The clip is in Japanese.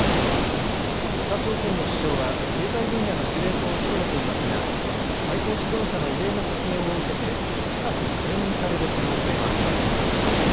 北朝鮮の首相は経済分野の司令塔を務めていますが最高指導者の異例の発言を受けて近く解任される可能性もあります。